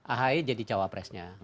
ahae jadi cawapresnya